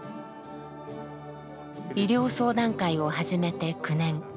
医療相談会を始めて９年。